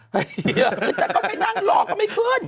เฮ่ยแต่ก็ไปนั่งรอก็ไม่ขึ้น